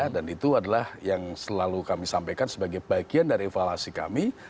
dan itu adalah yang selalu kami sampaikan sebagai bagian dari evaluasi kami